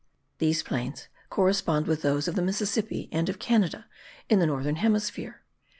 These plains correspond with those of the Mississippi and of Canada in the northern hemisphere.